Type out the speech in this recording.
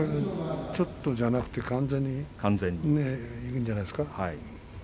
ちょっとじゃなくて完全にじゃないですか？